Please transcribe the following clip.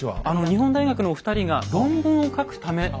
あの日本大学のお二人が論文を書くため。